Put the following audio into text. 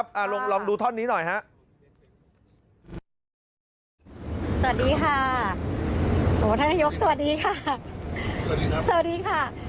สวัสดีครับสวัสดีค่ะ